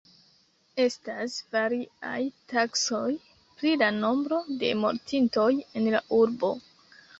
Estas variaj taksoj pri la nombro de mortintoj en la urbo.